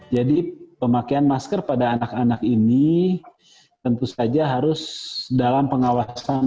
jadi pemakaian masker pada anak anak ini tentu saja harus dalam pengawasan